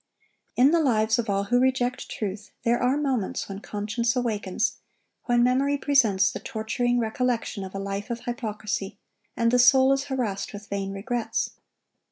In the lives of all who reject truth, there are moments when conscience awakens, when memory presents the torturing recollection of a life of hypocrisy, and the soul is harassed with vain regrets.